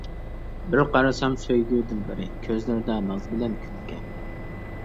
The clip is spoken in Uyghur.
بىر قارىسام سۆيگۈ دىلبىرى، كۆزلىرىدە ناز بىلەن كۈلكە.